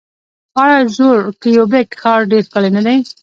آیا زوړ کیوبیک ښار ډیر ښکلی نه دی؟